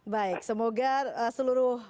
baik semoga seluruh